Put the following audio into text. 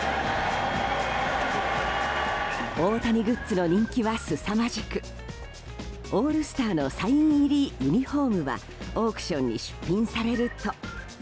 大谷グッズの人気はすさまじくオールスターのサイン入りユニホームはオークションに出品されると。